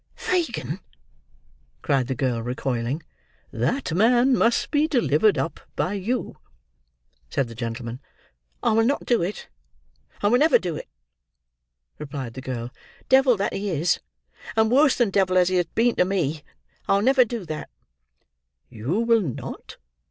"Fagin," cried the girl, recoiling. "That man must be delivered up by you," said the gentleman. "I will not do it! I will never do it!" replied the girl. "Devil that he is, and worse than devil as he has been to me, I will never do that." "You will not?"